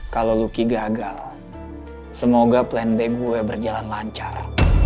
kalau lucky gagal semoga plan b gue berjalan lancar